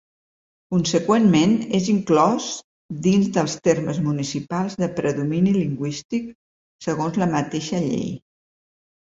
Consegüentment, és inclòs dins dels termes municipals de predomini lingüístic, segons la mateixa llei.